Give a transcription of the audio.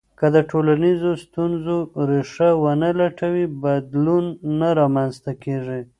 که د ټولنیزو ستونزو ریښه ونه لټوې، بدلون نه رامنځته کېږي.